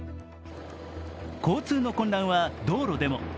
交通の混乱は道路でも。